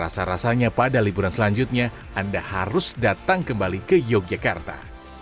dan jangan lupa rasa rasanya pada liburan selanjutnya anda harus datang kembali ke yogyakarta